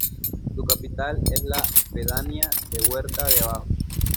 Su capital es la pedanía de Huerta de Abajo.